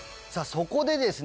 そこでですね